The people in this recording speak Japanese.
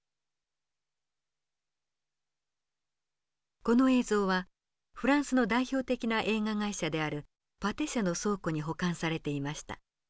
この映像はフランスの代表的な映画会社であるパテ社の倉庫に保管されていました。